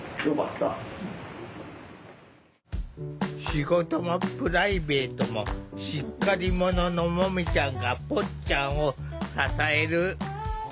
仕事もプライベートもしっかりもののもみちゃんがぽっちゃんを支える。